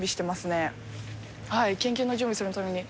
研究の準備するために。